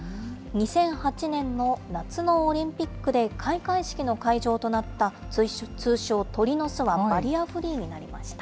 ２００８年の夏のオリンピックで開会式の会場となった通称、鳥の巣はバリアフリーになりました。